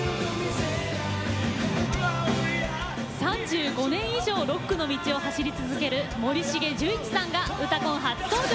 ３５年以上、ロックの道を走り続ける森重樹一さんが「うたコン」初登場。